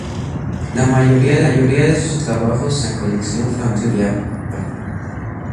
La mayoría de sus trabajos siguen en la colección familiar.